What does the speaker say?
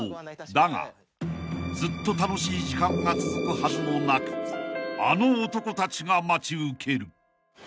［だがずっと楽しい時間が続くはずもなくあの男たちが待ち受ける］